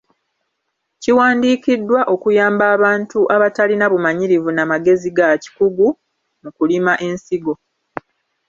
Kiwandiikiddwa okuyamba abantu abatalina bumanyirivu na magezi ga kikugu mu kulima ensigo.